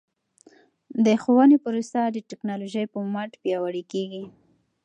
د ښوونې پروسه د ټکنالوژۍ په مټ پیاوړې کیږي.